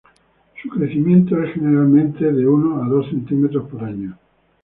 Su crecimiento es generalmente de uno a dos centímetros por año.